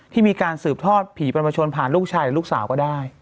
ที่มีการสืบทอดผีปรวชนผ่านลูกชายหรือลูกสาวก็ได้